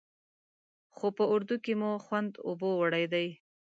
خو په اردو کې مو خوند اوبو وړی دی.